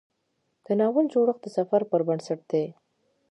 د ناول جوړښت د سفر پر بنسټ دی.